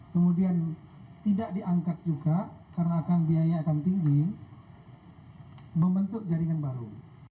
kemudian tidak diangkat juga karena akan biaya akan tinggi membentuk jaringan baru